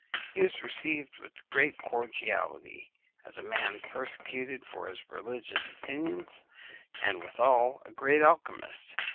He was received with great cordiality, as a man persecuted for his religious opinions, and withal a great alchymist.